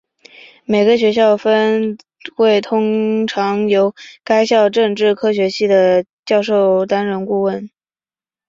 每个学校的分会通常由该校政治科学系的教授担任顾问。